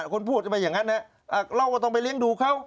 คนพูดก็ไม่อย่างนั้นนะเราก็ต้องไปเลี้ยงดูเขา